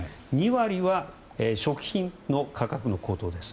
２割は食品の価格の高騰です。